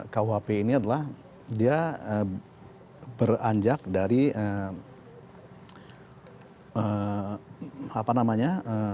kuhp ini adalah dia beranjak dari apa namanya